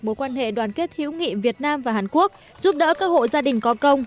mối quan hệ đoàn kết hữu nghị việt nam và hàn quốc giúp đỡ các hộ gia đình có công